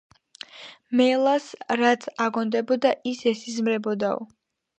მელას რაც აგონდებოდა, ის ესიზმრებოდაო